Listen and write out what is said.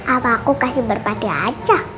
apaku kasih berpatih aja